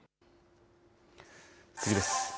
次です。